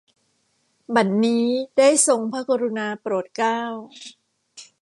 บัดนี้ ได้ทรงพระกรุณาโปรดเกล้า